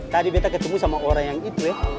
tadi beta ketemu sama orang yang itu ya